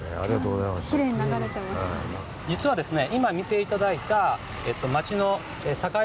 実はですね